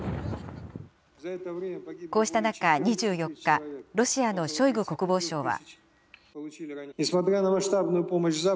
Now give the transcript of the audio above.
こうした中、２４日、ロシアのショイグ国防相は。